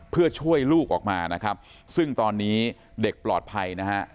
เพื่อช่วยลูกออกมานะครับซึ่งตอนนี้เด็กปลอดภัยนะฮะ